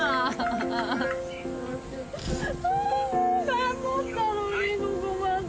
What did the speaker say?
頑張ったのにここまで。